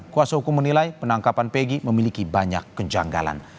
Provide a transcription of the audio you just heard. kuasa hukum menilai penangkapan pegi memiliki banyak kejanggalan